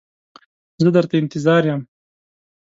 زه در ته انتظار یم.